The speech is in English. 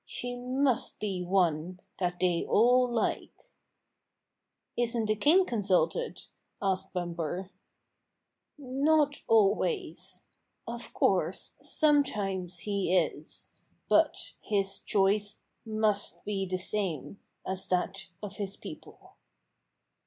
She must be one that they all like." "Isn't the king consulted?" asked Bumper, " Not always. Of course, sometimes he is, but his choice must be the same as that of his people."